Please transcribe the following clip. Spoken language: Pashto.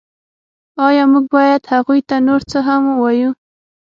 ایا موږ باید هغوی ته نور څه هم ووایو